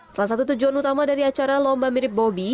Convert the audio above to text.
salah satu tujuan utama dari acara lomba mirip bobi